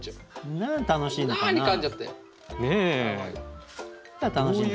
何楽しいのかな？